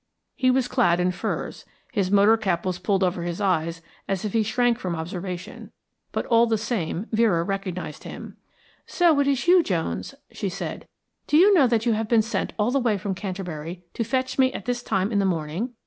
He was clad in furs, his motor cap was pulled over his eyes as if he shrank from observation; but all the same Vera recognised him. "So it is you, Jones," she said. "Do you know that you have been sent all the way from Canterbury to fetch me at this time in the morning?